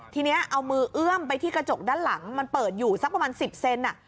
ทีนี้เอามือเอื้อมไปที่กระจกด้านหลังมันเปิดอยู่สักประมาณ๑๐เซน